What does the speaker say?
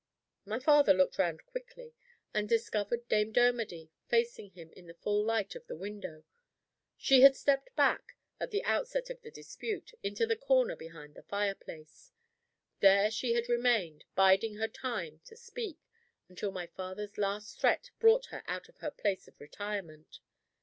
My father looked round quickly, and discovered Dame Dermody facing him in the full light of the window. She had stepped back, at the outset of the dispute, into the corner behind the fireplace. There she had remained, biding her time to speak, until my father's last threat brought her out of her place of retirement.